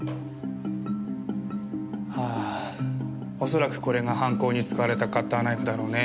ああ恐らくこれが犯行に使われたカッターナイフだろうね。